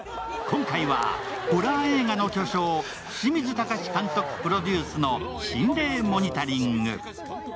今回はホラー映画の巨匠、清水崇監督プロデュースの心霊モニタリング。